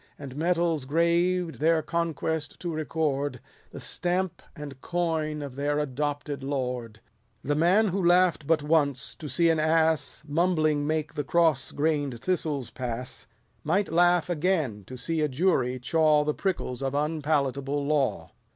And medals graved their conquest to record, The stamp and coin of their adopted lord. The man l who laugh'd but once, to see an ass Mumbling to make the cross grain'd thistles pass, Might laugh again to see a jury chaw The prickles of unpalatable law.